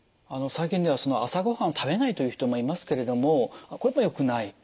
最近では朝ご飯を食べないという人もいますけれどもこれもよくない？